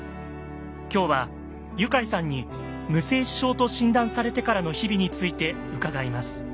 今日はユカイさんに無精子症と診断されてからの日々について伺います。